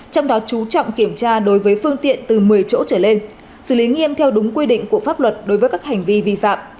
trong đó chú trọng kiểm tra đối với phương tiện từ một mươi chỗ trở lên xử lý nghiêm theo đúng quy định của pháp luật đối với các hành vi vi phạm